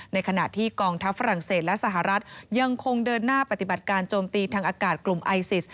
ในขณะที่กองทัพฝรั่งเศสและสหรัฐยังคงเดินหน้าปฏิบัติการโจมตีทางอากาศกลุ่มไอซิส